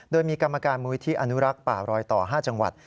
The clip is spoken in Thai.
โดยมีกรรมการมูลิธิอนุรักษ์ป่ารอยต่อ๕จังหวัด